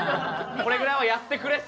これぐらいはやってくれって。